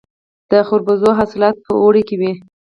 د خربوزو حاصلات په اوړي کې وي.